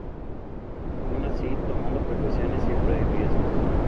Aun así, tomando precauciones siempre hay riesgos.